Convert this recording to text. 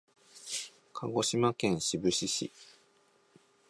鹿児島県志布志市